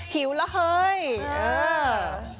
หิวละเฮ้ยเออ